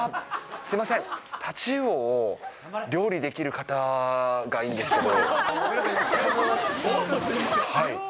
すみません、太刀魚を料理できる方がいいんですけれども。